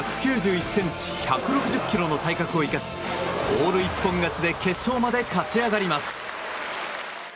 １９１ｃｍ１６０ｋｇの体格を生かしオール一本勝ちで決勝まで勝ち上がります。